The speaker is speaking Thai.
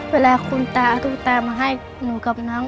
เวลาคุณตาเอาตุ๊กตามาให้หนูกับน้อง